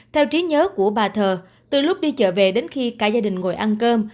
theo trí nhớ của bà thơ từ lúc đi chợ về đến khi cả gia đình ngồi ăn cơm